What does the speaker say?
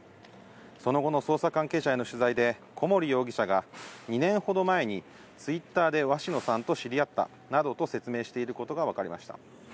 その後の捜査関係者への取材で、小森容疑者が、２年ほど前にツイッターで鷲野さんと知り合ったなどと説明していることが分かりました。